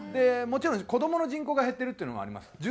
もちろん子どもの人口が減ってるっていうのもあります。